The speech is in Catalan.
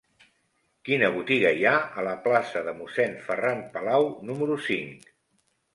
Quina botiga hi ha a la plaça de Mossèn Ferran Palau número cinc?